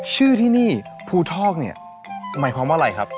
ชื่อที่นี่ภูทอกเนี่ยหมายความว่าอะไรครับ